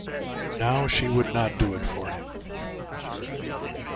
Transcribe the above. Now she would not do it for him.